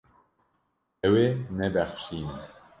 Ew ê nebexşînin.